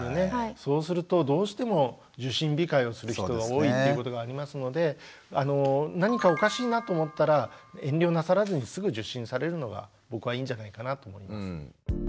そうするとどうしても受診控えをする人が多いっていうことがありますので何かおかしいなと思ったら遠慮なさらずにすぐ受診されるのが僕はいいんじゃないかなと思います。